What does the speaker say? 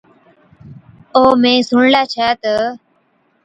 او مين سُڻلَي ڇَي تہ،